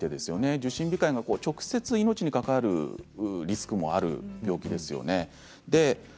受診控えが直接命に関わるリスクもある病気ですよね。